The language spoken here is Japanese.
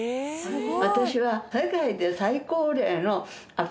私は。